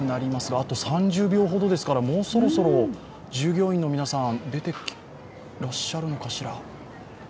あと３０秒ほどですからもうそろそろ従業員の皆さん、出てらっしゃるのかしら。